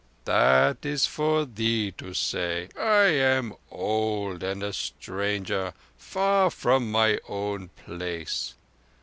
"That is for thee to say. I am old, and a stranger—far from my own place.